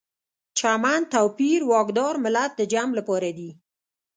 چمن، توپیر، واکدار، ملت د جمع لپاره دي.